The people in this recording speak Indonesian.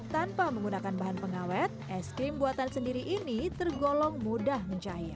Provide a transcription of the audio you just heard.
tanpa menggunakan bahan pengawet es krim buatan sendiri ini tergolong mudah mencair